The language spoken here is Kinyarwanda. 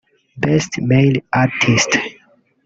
Best Male Artiste